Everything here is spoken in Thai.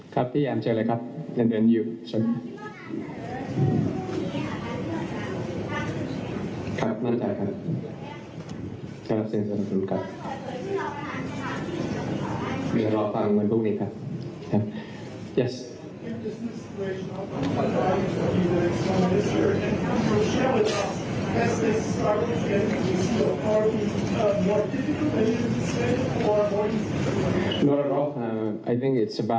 คุณทศก่อนครับ